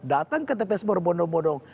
datang ke tps berbondong bondong